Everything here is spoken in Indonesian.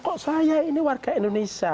kok saya ini warga indonesia